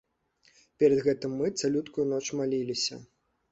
Перад гэтым мы цалюткую ноч маліліся.